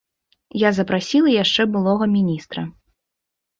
Я запрасіла яшчэ былога міністра.